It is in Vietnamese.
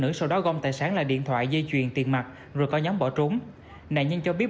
nữ sau đó gom tài sản là điện thoại dây chuyền tiền mặt rồi có nhóm bỏ trốn nạn nhân cho biết